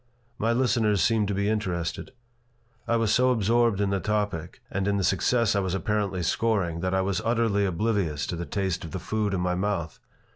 My listeners seemed to be interested. I was so absorbed in the topic and in the success I was apparently scoring that I was utterly oblivious to the taste of the food in my mouth.